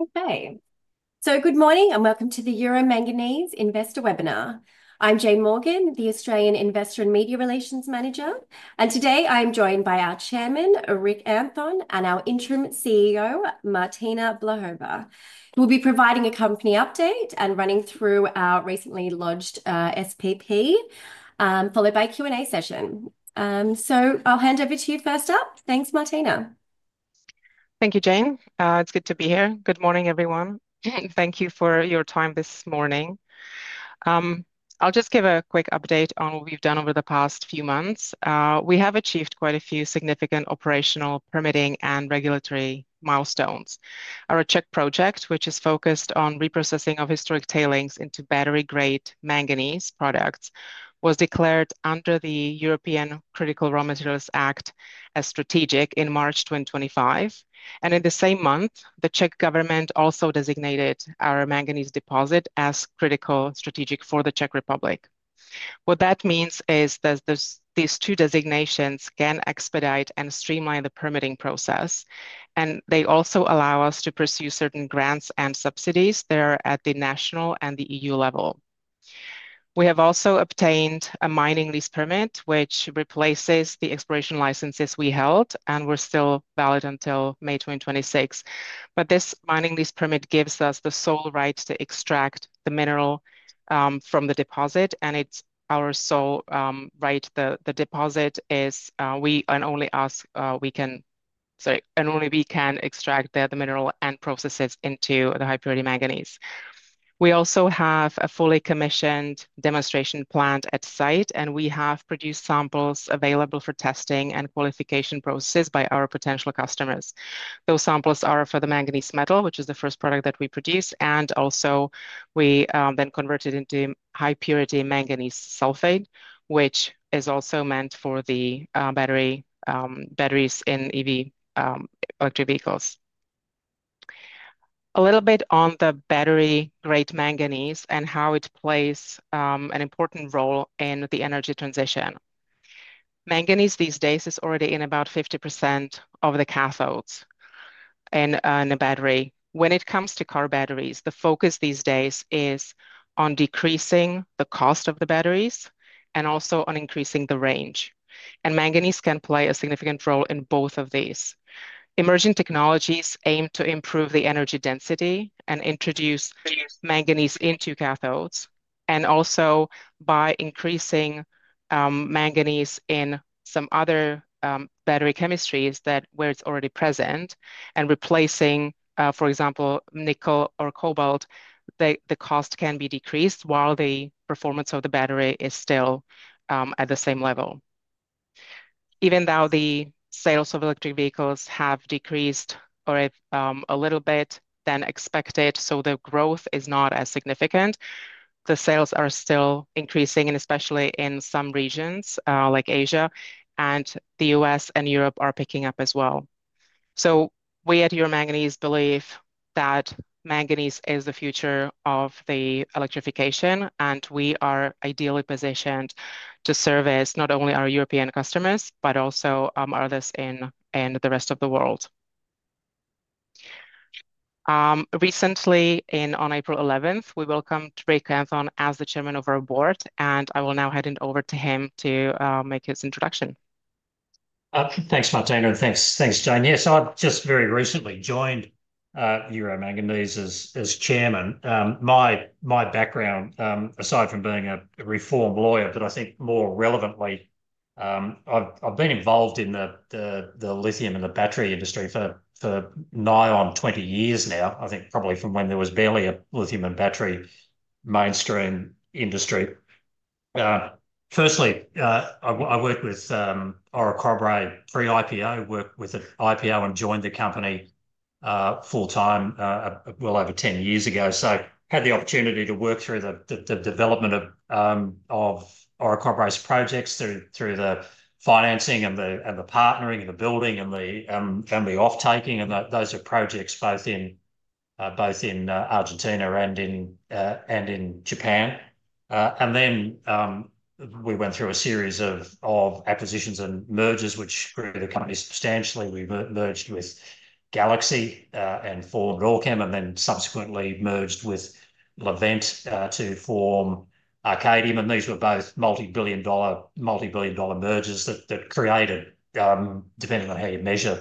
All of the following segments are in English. Okay, good morning and welcome to the Euro Manganese Investor Webinar. I'm Jane Morgan, the Australian Investor and Media Relations Manager, and today I am joined by our Chairman, Rick Anthon, and our Interim CEO, Martina Blahova. We'll be providing a company update and running through our recently lodged SPP, followed by a Q&A session. I'll hand over to you first up. Thanks, Martina. Thank you, Jane. It's good to be here. Good morning, everyone. Thank you for your time this morning. I'll just give a quick update on what we've done over the past few months. We have achieved quite a few significant operational, permitting, and regulatory milestones. Our Czech project, which is focused on reprocessing of historic tailings into battery-grade manganese products, was declared under the European Critical Raw Materials Act as strategic in March 2025. In the same month, the Czech government also designated our manganese deposit as critical, strategic for the Czech Republic. What that means is that these two designations can expedite and streamline the permitting process, and they also allow us to pursue certain grants and subsidies that are at the national and the EU level. We have also obtained a mining lease permit, which replaces the exploration licenses we held, and were still valid until May 2026. This mining lease permit gives us the sole right to extract the mineral from the deposit, and it's our sole right. The deposit is we and only us, sorry, and only we can extract the mineral and process it into the high-purity manganese. We also have a fully commissioned demonstration plant at site, and we have produced samples available for testing and qualification processes by our potential customers. Those samples are for the manganese metal, which is the first product that we produce, and also we then convert it into high-purity manganese sulfate, which is also meant for the batteries in EV electric vehicles. A little bit on the battery-grade manganese and how it plays an important role in the energy transition. Manganese these days is already in about 50% of the cathodes in a battery. When it comes to car batteries, the focus these days is on decreasing the cost of the batteries and also on increasing the range. Manganese can play a significant role in both of these. Emerging technologies aim to improve the energy density and introduce manganese into cathodes, and also by increasing manganese in some other battery chemistries where it's already present and replacing, for example, nickel or cobalt, the cost can be decreased while the performance of the battery is still at the same level. Even though the sales of electric vehicles have decreased a little bit than expected, so the growth is not as significant, the sales are still increasing, and especially in some regions like Asia and the U.S. and Europe are picking up as well. We at Euro Manganese believe that manganese is the future of the electrification, and we are ideally positioned to service not only our European customers, but also others in the rest of the world. Recently, on April 11th, we welcomed Rick Anthon as the Chairman of our board, and I will now hand it over to him to make his introduction. Thanks, Martina, and thanks, Jane. Yeah, so I've just very recently joined Euro Manganese as Chairman. My background, aside from being a reform lawyer, but I think more relevantly, I've been involved in the lithium and the battery industry for nigh on 20 years now, I think probably from when there was barely a lithium and battery mainstream industry. Firstly, I worked with Orocobre pre-IPO, worked with IPO and joined the company full-time well over 10 years ago, so had the opportunity to work through the development of Orocobre's projects through the financing and the partnering and the building and the off-taking, and those are projects both in Argentina and in Japan. We went through a series of acquisitions and mergers which grew the company substantially. We merged with Galaxy and formed Allkem and then subsequently merged with Livent to form Arcadium, and these were both multi-billion dollar mergers that created, depending on how you measure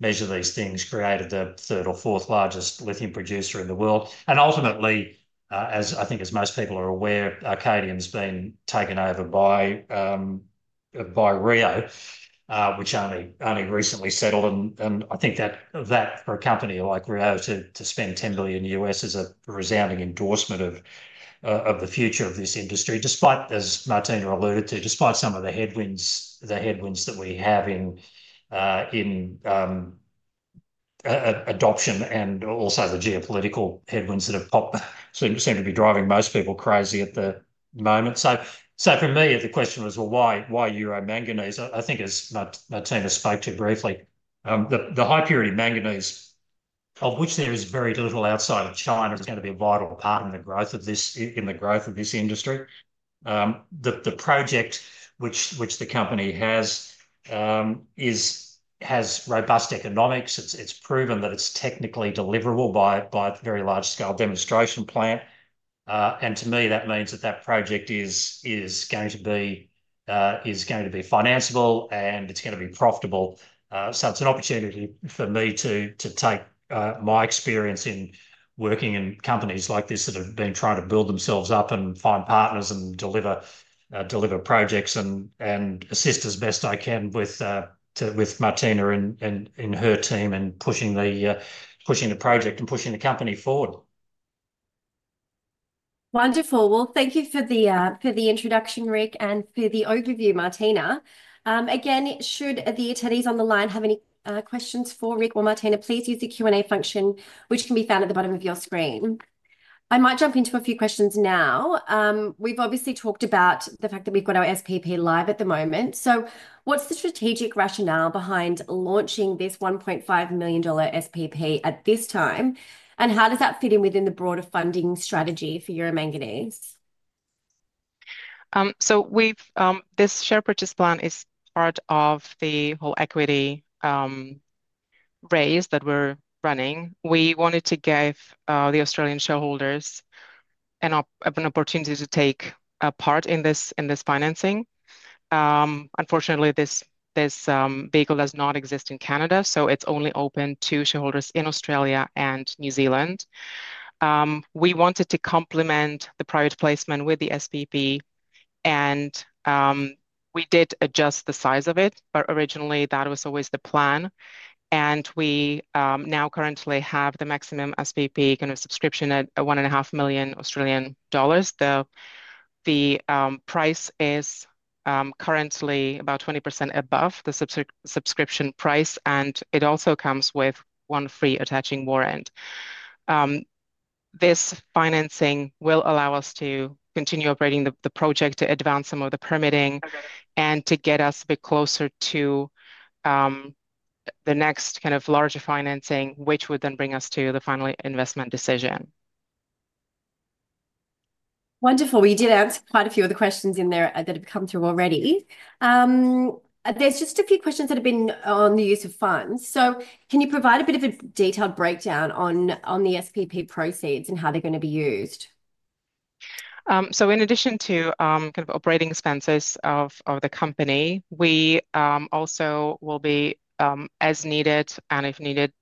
these things, the third or fourth largest lithium producer in the world. Ultimately, as I think most people are aware, Arcadium has been taken over by Rio Tinto, which only recently settled, and I think that for a company like Rio Tinto to spend 10 billion is a resounding endorsement of the future of this industry, despite, as Martina alluded to, some of the headwinds that we have in adoption and also the geopolitical headwinds that seem to be driving most people crazy at the moment. For me, the question was, why Euro Manganese? I think as Martina spoke to briefly, the high-purity manganese, of which there is very little outside of China, is going to be a vital part in the growth of this industry. The project which the company has has robust economics. It is proven that it is technically deliverable by a very large-scale demonstration plant. To me, that means that that project is going to be financeable and it is going to be profitable. It is an opportunity for me to take my experience in working in companies like this that have been trying to build themselves up and find partners and deliver projects and assist as best I can with Martina and her team and pushing the project and pushing the company forward. Wonderful. Thank you for the introduction, Rick, and for the overview, Martina. Again, should the attendees on the line have any questions for Rick or Martina, please use the Q&A function, which can be found at the bottom of your screen. I might jump into a few questions now. We've obviously talked about the fact that we've got our SPP live at the moment. What is the strategic rationale behind launching this 1.5 million dollar SPP at this time, and how does that fit in within the broader funding strategy for Euro Manganese? This share purchase plan is part of the whole equity raise that we're running. We wanted to give the Australian shareholders an opportunity to take part in this financing. Unfortunately, this vehicle does not exist in Canada, so it's only open to shareholders in Australia and New Zealand. We wanted to complement the private placement with the SPP, and we did adjust the size of it, but originally that was always the plan. We now currently have the maximum SPP kind of subscription at 1.5 million Australian dollars. The price is currently about 20% above the subscription price, and it also comes with one free attaching warrant. This financing will allow us to continue operating the project to advance some of the permitting and to get us a bit closer to the next kind of larger financing, which would then bring us to the final investment decision. Wonderful. We did answer quite a few of the questions in there that have come through already. There's just a few questions that have been on the use of funds. Can you provide a bit of a detailed breakdown on the SPP proceeds and how they're going to be used? In addition to kind of operating expenses of the company, we also will be, as needed and if needed,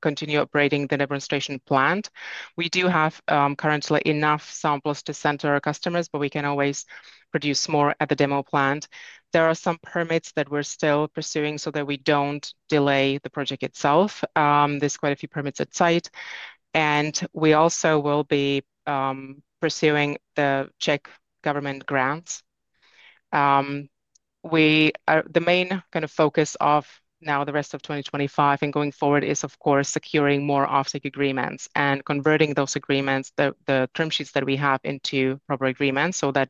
continue operating the demonstration plant. We do have currently enough samples to send to our customers, but we can always produce more at the demo plant. There are some permits that we're still pursuing so that we do not delay the project itself. There are quite a few permits at site. We also will be pursuing the Czech government grants. The main kind of focus of now the rest of 2025 and going forward is, of course, securing more off-take agreements and converting those agreements, the term sheets that we have, into proper agreements so that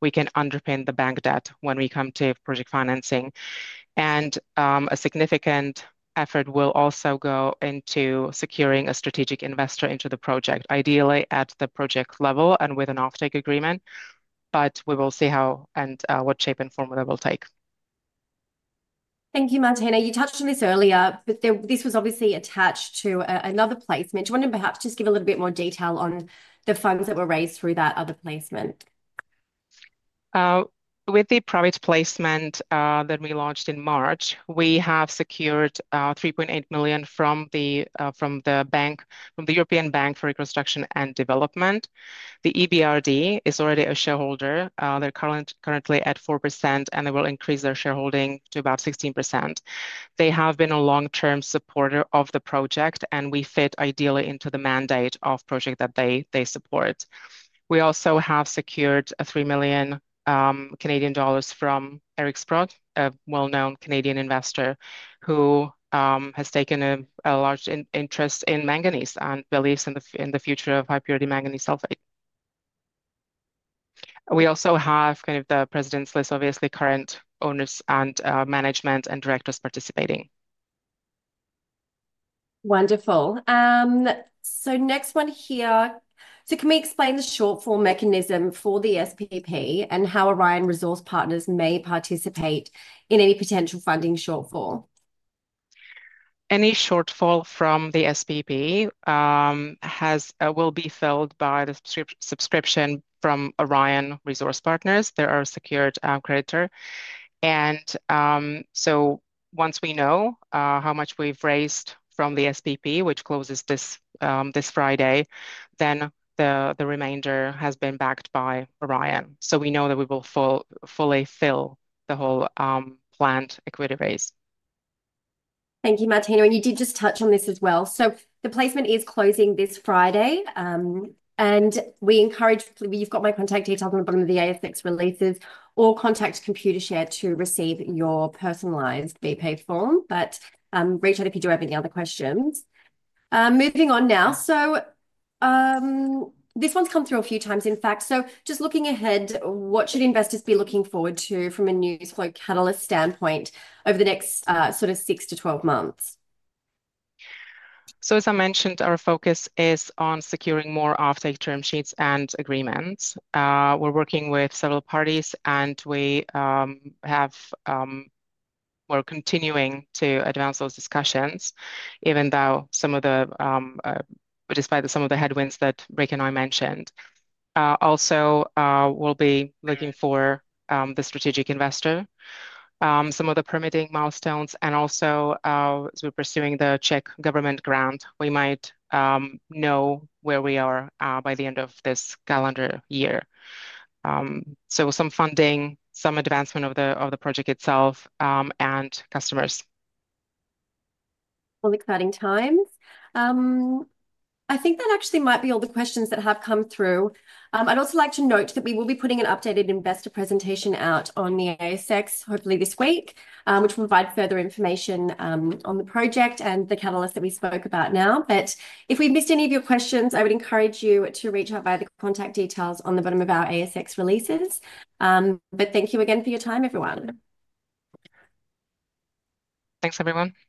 we can underpin the bank debt when we come to project financing. A significant effort will also go into securing a strategic investor into the project, ideally at the project level and with an off-take agreement, but we will see how and what shape and form that will take. Thank you, Martina. You touched on this earlier, but this was obviously attached to another placement. Do you want to perhaps just give a little bit more detail on the funds that were raised through that other placement? With the private placement that we launched in March, we have secured 3.8 million from the European Bank for Reconstruction and Development. The EBRD is already a shareholder. They're currently at 4%, and they will increase their shareholding to about 16%. They have been a long-term supporter of the project, and we fit ideally into the mandate of the project that they support. We also have secured 3 million Canadian dollars from Eric Sprott, a well-known Canadian investor who has taken a large interest in manganese and believes in the future of high-purity manganese sulfate. We also have kind of the president's list, obviously current owners and management and directors participating. Wonderful. Next one here. Can we explain the shortfall mechanism for the SPP and how Orion Resource Partners may participate in any potential funding shortfall? Any shortfall from the SPP will be filled by the subscription from Orion Resource Partners. They are a secured creditor. Once we know how much we've raised from the SPP, which closes this Friday, the remainder has been backed by Orion. We know that we will fully fill the whole plant equity raise. Thank you, Martina. You did just touch on this as well. The placement is closing this Friday. We encourage, you have my contact details on the bottom of the ASX releases, or contact Computershare to receive your personalized BPA form, but reach out if you do have any other questions. Moving on now. This one has come through a few times, in fact. Just looking ahead, what should investors be looking forward to from a news flow catalyst standpoint over the next 6-12 months? As I mentioned, our focus is on securing more off-take term sheets and agreements. We're working with several parties, and we're continuing to advance those discussions, despite some of the headwinds that Rick and I mentioned. Also, we'll be looking for the strategic investor, some of the permitting milestones, and also as we're pursuing the Czech government grant, we might know where we are by the end of this calendar year. Some funding, some advancement of the project itself, and customers. All exciting times. I think that actually might be all the questions that have come through. I'd also like to note that we will be putting an updated investor presentation out on the ASX, hopefully this week, which will provide further information on the project and the catalyst that we spoke about now. If we've missed any of your questions, I would encourage you to reach out via the contact details on the bottom of our ASX releases. Thank you again for your time, everyone. Thanks, everyone. Yeah.